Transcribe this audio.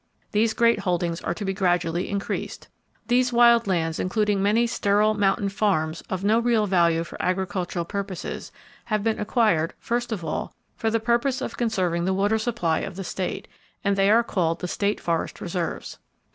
These great holdings are to be gradually increased. These wild lands, including many sterile mountain "farms" of no real value for agricultural purposes, have been acquired, first of all, for the purpose of conserving the water supply of the state; and they are called the State Forest Reserves.